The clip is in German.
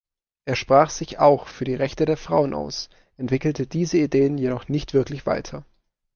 Er sprach sich auch für die Rechte der Frauen aus, entwickelte diese Ideen jedoch nicht wirklich weiter.